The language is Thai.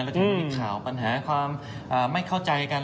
แล้วถึงมีข่าวปัญหาความไม่เข้าใจกัน